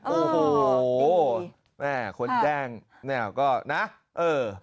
โอ้โหแม่คนแจ้งเนี่ยก็นะเออ